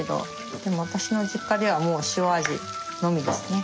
でも私の実家ではもう塩味のみですね。